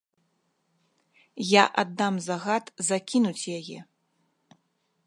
Я аддам загад закінуць яе!